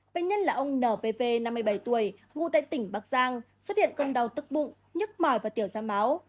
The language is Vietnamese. bệnh nhân là ông n v v năm mươi bảy tuổi ngụ tại tỉnh bắc giang xuất hiện cơn đau tức bụng nhức mỏi và tiểu da máu